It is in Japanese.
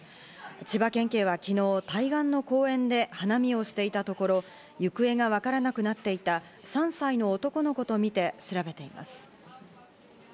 千葉県警は昨日、対岸の公園で花見をしていたところ、行方がわからなくなっていた３歳の男の子とみて調べています。